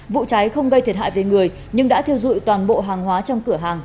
vụ cháy không gây thiệt hại về người nhưng đã thiêu dụi toàn bộ hàng hóa trong cửa hàng